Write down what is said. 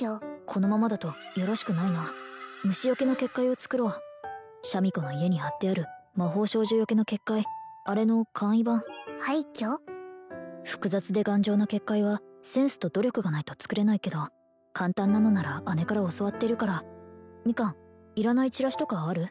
このままだとよろしくないな虫よけの結界を作ろうシャミ子の家に貼ってある魔法少女よけの結界あれの簡易版複雑で頑丈な結界はセンスと努力がないと作れないけど簡単なのなら姉から教わってるからミカンいらないチラシとかある？